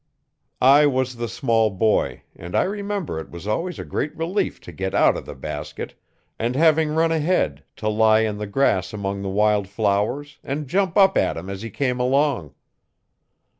I was the small boy and I remember it was always a great relief to get out of the basket, and having run ahead, to lie in the grass among the wild flowers, and jump up at him as he came along.